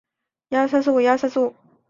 也为轮椅冰壶举行世界锦标赛。